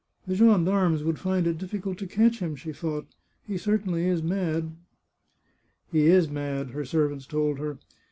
" The gendarmes would find it difficult to catch him," she thought. " He certainly is mad." " He is mad," her servants told her.